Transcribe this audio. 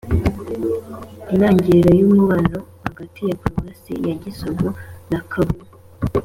intangiriro y’umubano(jumélage) hagati ya paruwasi ya gisovu na kavumu.